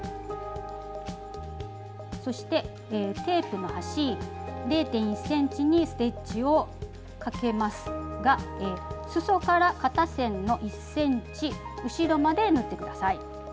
そしてテープの端０．１ｃｍにステッチをかけますがすそから肩線の１ｃｍ後ろまで縫ってください。